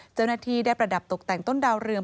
เจ้าหน้าที่ได้ประดับตกแต่งต้นดาวเรือง